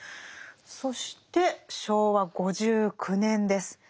そして昭和５９年です。